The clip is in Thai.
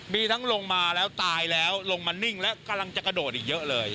มีทั้งลงมาแล้วตายแล้วลงมานิ่งแล้วกำลังจะกระโดดอีกเยอะเลย